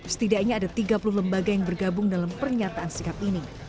setidaknya ada tiga puluh lembaga yang bergabung dalam pernyataan sikap ini